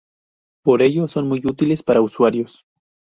Por ello son muy útiles para usuarios.